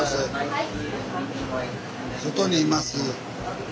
はい。